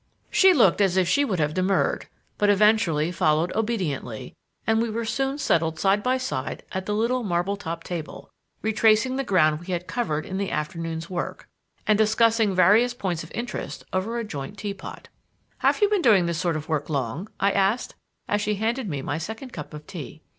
She looked as if she would have demurred, but eventually followed obediently, and we were soon settled side by side at the little marble topped table, retracing the ground we had covered in the afternoon's work and discussing various points of interest over a joint teapot. "Have you been doing this sort of work long?" I asked, as she handed me my second cup of tea.